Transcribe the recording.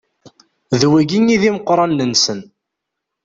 D wigi i d imeqranen-nsen.